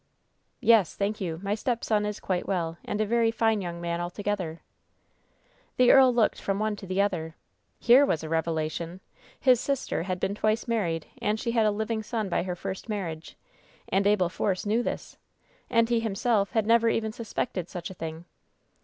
"Yes, thank you, my stepson is quite well, and a very fine young man altogether." * The earl looked from one to the other. Here was a revelation ! His sister had Ix^Ji tv. ice married, and she had a living son by her fij? naniuge ! And Abel Force knew this! And he Lui. Iwd never even suspected •juch a thing!